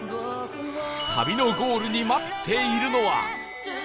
旅のゴールに待っているのは